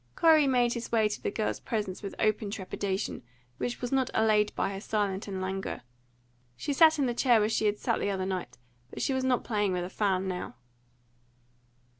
Corey made his way to the girl's presence with open trepidation, which was not allayed by her silence and languor. She sat in the chair where she had sat the other night, but she was not playing with a fan now.